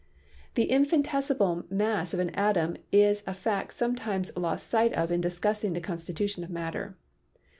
The infinitesimal mass of an atom is a fact sometimes lost sight of in discussing the constitution of matter.